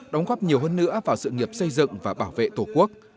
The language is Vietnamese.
đóng góp nhiều hơn nữa vào sự nghiệp xây dựng và bảo vệ tổ quốc